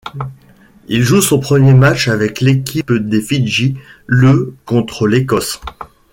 Il joue son premier match avec l'équipe des Fidji le contre l'Écosse.